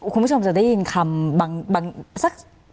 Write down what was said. คุณผู้ชมจะได้ยินคำบางสัก